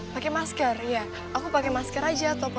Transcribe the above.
lama gak ketemu